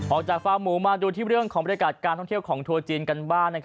ฟาร์หมูมาดูที่เรื่องของบริการการท่องเที่ยวของทัวร์จีนกันบ้าง